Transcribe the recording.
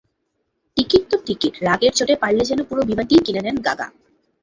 Ticket তো ticket, রাগের চোটে পারলে যেন পুরো বিমানটিই কিনে নেন গাগা।